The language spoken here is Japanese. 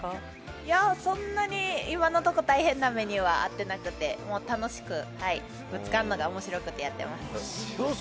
いや、そんなに今のところは大変な目にはあっていなくて、ぶつかるのが面白くてやっています。